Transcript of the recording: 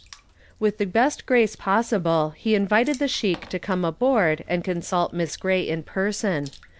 With the best grace possible he invited the sheik to come aboard and consult Miss Gray in person.